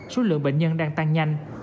số lượng bệnh nhân đang tăng nhanh